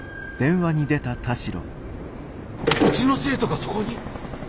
うちの生徒がそこに？